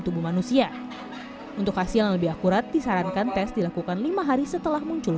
tubuh manusia untuk hasil yang lebih akurat disarankan tes dilakukan lima hari setelah muncul